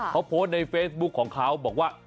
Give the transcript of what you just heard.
เขาโพสต์ในเฟซบุ๊คของเขาบอกว่า